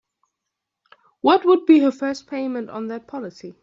What would be her first payment on that policy?